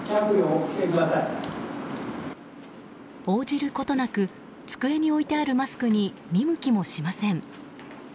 応じることなく机に置いてあるマスクに見向きもしません。